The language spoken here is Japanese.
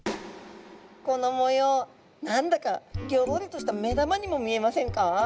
この模様何だかギョロリとした目玉にも見えませんか？